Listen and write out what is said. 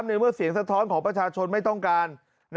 ในเมื่อเสียงสะท้อนของประชาชนไม่ต้องการ